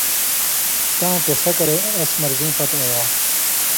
تاں ٹېسہ کرے اَس مرضیں پتہۡ ایا